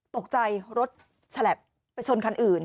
ตกใจรถฉลับไปชนคันอื่น